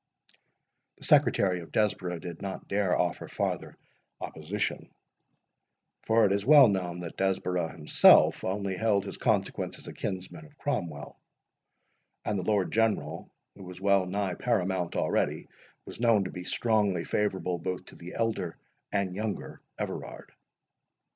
The secretary of Desborough did not dare offer farther opposition; for it is well known that Desborough himself only held his consequence as a kinsman of Cromwell; and the Lord General, who was well nigh paramount already, was known to be strongly favourable both to the elder and younger Everard.